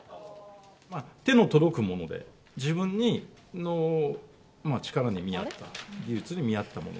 手の届くもので、自分の力に見合った、技術に見合ったもの。